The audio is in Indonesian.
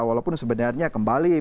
walaupun sebenarnya kembali